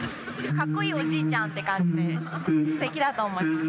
かっこいいおじいちゃんって感じですてきだと思います。